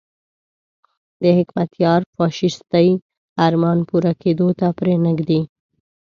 د حکمتیار فاشیستي ارمان پوره کېدو ته پرې نه ږدي.